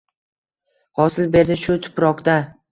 Hosil berdi shu tuprokda